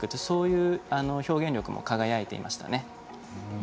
そういう表現力も輝いていました。